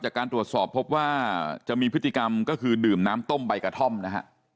จากการตรวจสอบพบว่าจะมีพฤติกรรมก็คือดื่มน้ำต้มใบกระท่อมนะฮะ